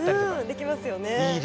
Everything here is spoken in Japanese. できますよね。